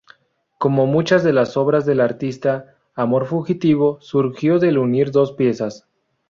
Como muchas de las obras del artista, "Amor fugitivo" surgió del unir dos piezas.